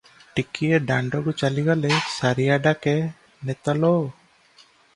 ଟିକିଏ ଦାଣ୍ତକୁ ଚାଲିଗଲେ ସାରିଆ ଡାକେ, 'ନେତଲୋ' ।